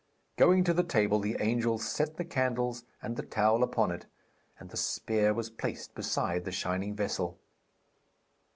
Going to the table the angels set the candles and the towel upon it, and the spear was placed beside the shining vessel.